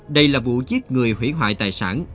đây là vụ giết người hủy hợi tài sản